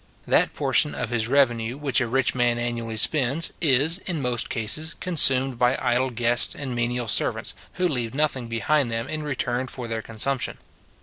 That portion of his revenue which a rich man annually spends, is, in most cases, consumed by idle guests and menial servants, who leave nothing behind them in return for their consumption.